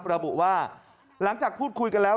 ระบุว่าหลังจากพูดคุยกันแล้ว